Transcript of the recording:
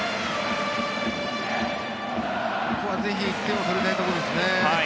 ここはぜひ１点を取りたいところですね。